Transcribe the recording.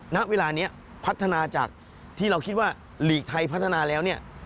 ณเวลานี้พัฒนาจากที่เราคิดว่าหลีกไทยพัฒนาแล้วเนี่ย